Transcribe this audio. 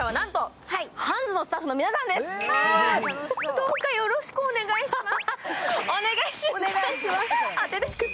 どうかよろしくお願いします。